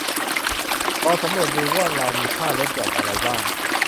ลองสำรวจดูว่าเรามีค่าลดหย่อนอะไรบ้าง